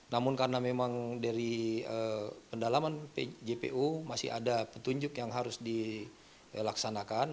namun karena memang dari pendalaman jpu masih ada petunjuk yang harus dilaksanakan